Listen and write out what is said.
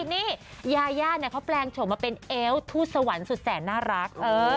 นี่ยาย่าเขาแปลงโฉมมาเป็นเอวทูตสวรรค์สุดแสนน่ารัก